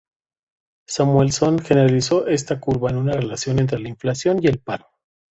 Samuelson generalizó esta curva en una relación entre la inflación y el paro.